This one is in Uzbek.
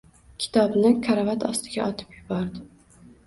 Kitobni karavot ostiga otib yubordi…